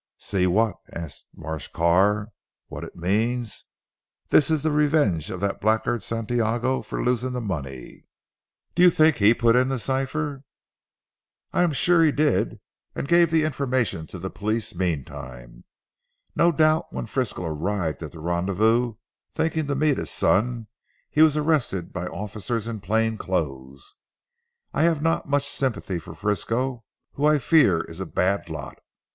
"See what?" asked Marsh Carr. "What it means. This is the revenge of that blackguard Santiago for losing the money." "Do you think he put in the cipher?" "I am sure he did, and gave information to the police meantime. No doubt when Frisco arrived at the rendezvous thinking to meet his son he was arrested by officers in plain clothes. I have not much sympathy for Frisco, who, I fear, is a bad lot.